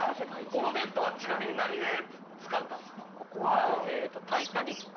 このベッドはちなみに何で使ったんすか？